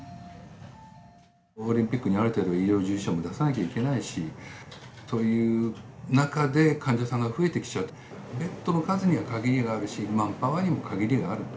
オリンピックにある程度、医療従事者も出さなきゃいけないし、そういう中で、患者さんが増えてきちゃうと、ベッドの数には限りがあるし、マンパワーにも限りがあると。